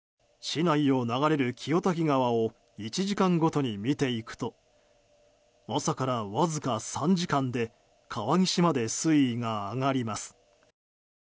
市内を流れる清滝川を１時間ごとに見ていくと朝からわずか３時間で川岸まで水位が上がります。